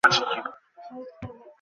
হ্যাঁ, স্প্রে শুরু করো।